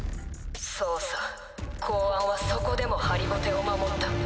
そうさ公安はそこでもハリボテを守った。